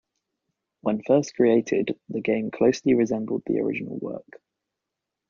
When first created, the game closely resembled the original work.